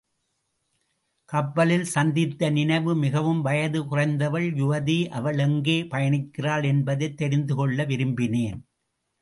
கப்பலில் சந்தித்த நினைவு மிகவும் வயது குறைந்தவள் யுவதி அவள் எங்கே பயணிக்கிறாள் என்பதைத் தெரிந்து கொள்ள விரும்பினேன்.